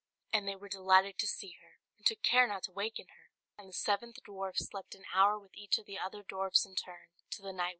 and they were delighted to see her, and took care not to waken her; and the seventh dwarf slept an hour with each of the other dwarfs in turn, till the night was gone.